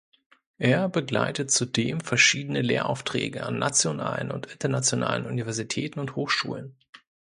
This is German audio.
Er begleitet zudem verschiedene Lehraufträge an nationalen und internationalen Universitäten und Hochschulen.